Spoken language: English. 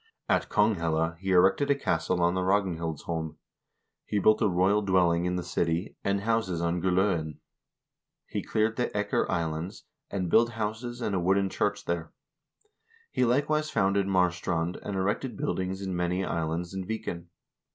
At Konghelle he erected a castle on the Ragnhildsholm ; he built a royal dwelling in the city, and houses on Gull0en. He cleared the Eker Islands, and built houses and a wooden church there. He likewise founded Marstrand, and erected buildings in many islands in Viken.